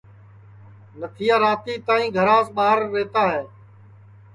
نتھیا راتی تائی گھراس ٻار رہتا ہے